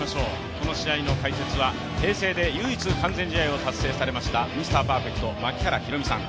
この試合の解説は平成で唯一完全試合を達成されました、ミスターパーフェクト槙原寛己さん。